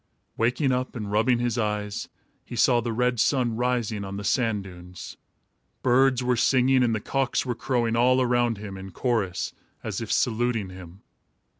Waking up and rubbing his eyes, he saw the red sun rising on the sand dunes. Birds were singing and the cocks were crowing all around him, in chorus, as if saluting him.